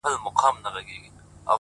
که ټوله ژوند په تنهايۍ کي تېر کړم-